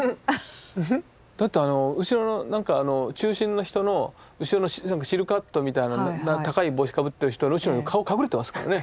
だって後ろのなんか中心の人の後ろのシルクハットみたいなの高い帽子かぶってる人の後ろに顔隠れてますからね。